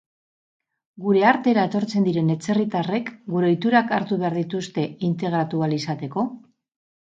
Gure artera etortzen diren atzerritarrek gure ohiturak hartu behar dituzte integratu ahal izateko?